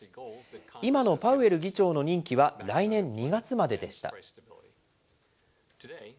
今のパウエル議長の任期は来年２月まででした。